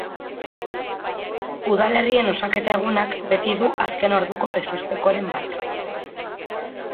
Udalerrien osaketa egunak beti du azken orduko ezustekoren bat.